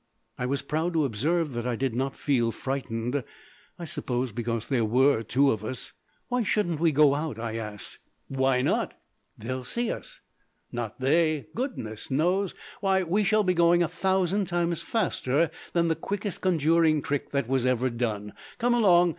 I was proud to observe that I did not feel frightened I suppose because there were two of us. "Why shouldn't we go out?" I asked. "Why not?" "They'll see us." "Not they. Goodness, no! Why, we shall be going a thousand times faster than the quickest conjuring trick that was ever done. Come along!